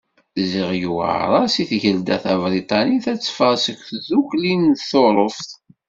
Ziɣ yuɛer-as i Tgelda Tabriṭanit ad teffeɣ seg Tdukli n Tuṛuft.